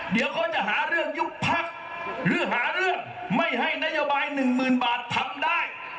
เดี๋ยวเขาจะหาเรื่องยุบพักหรือหาเรื่องไม่ให้นโยบายหนึ่งหมื่นบาททำได้